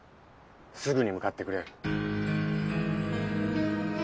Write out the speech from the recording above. すぐに向かってくれ。